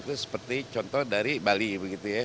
itu seperti contoh dari bali begitu ya